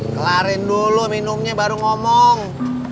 ngelarin dulu minumnya baru ngomong